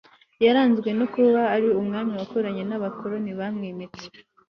yaranzwe no kuba ari umwami wakoranye n'abakoroni bamwimitse